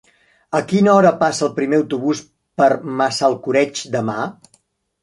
A quina hora passa el primer autobús per Massalcoreig demà?